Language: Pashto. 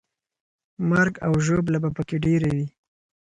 مرګ او ژوبله به پکې ډېره وي.